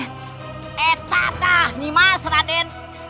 eta ta nyimas raden